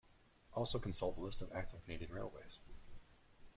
Also consult the list of active Canadian railways.